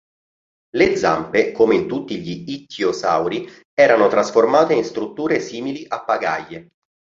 Le zampe, come in tutti gli ittiosauri, erano trasformate in strutture simili a pagaie.